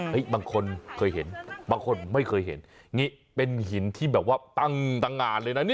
บางคนเคยเห็นบางคนไม่เคยเห็นนี่เป็นหินที่แบบว่าตั้งตังงานเลยนะนี่